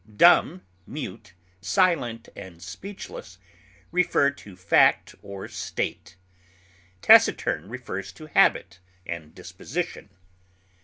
Dumb, mute, silent and speechless refer to fact or state; taciturn refers to habit and disposition.